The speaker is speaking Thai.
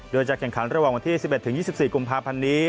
โดยจะแข่งขันระหว่างวันที่สิบเอ็ดถึงยี่สิบสี่กุมภาพันธ์นี้